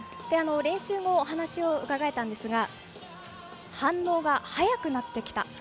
練習後、お話を伺えたんですが反応が早くなってきた。